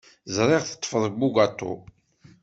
Ẓriɣ teṭṭfeḍ bugaṭu.